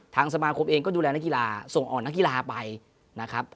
ทางสมาคมเองก็ดูแลนักกีฬาส่งออกนักกีฬาไปนะครับ